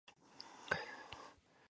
تاسو لوړي زده کړي تر کومه کچه کړي ؟